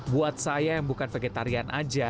buat saya yang bukan vegetarian aja